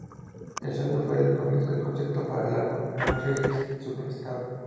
El sueño fue el comienzo del concepto para el álbum Antichrist Superstar.